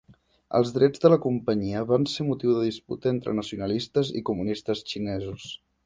Els drets de la companyia van ser motiu de disputa entre nacionalistes i comunistes xinesos.